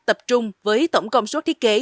tập trung với tổng công suất thiết kế